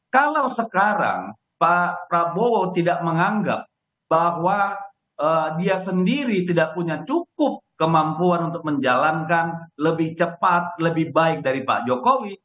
kalau sekarang pak prabowo tidak menganggap bahwa dia sendiri tidak punya cukup kemampuan untuk menjalankan lebih cepat lebih baik dari pak jokowi